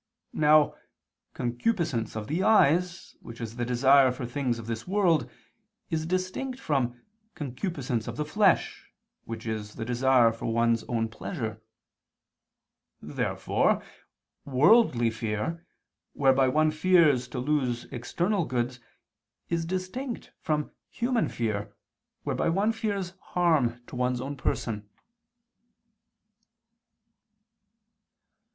Now "concupiscence of the eyes," which is the desire for things of this world, is distinct from "concupiscence of the flesh," which is the desire for one's own pleasure. Therefore "worldly fear," whereby one fears to lose external goods, is distinct from "human fear," whereby one fears harm to one's own person.